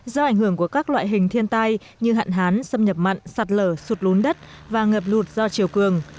do ảnh hưởng của các loại hình thiên tai như hạn hán xâm nhập mặn sạt lở sụt lún đất và ngập lụt do chiều cường